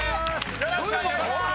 よろしくお願いします！